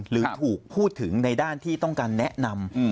หรือถูกพูดถึงในด้านที่ต้องการแนะนำ